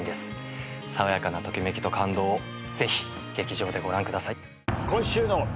爽やかなときめきと感動をぜひ劇場でご覧ください。